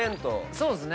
そうっすね。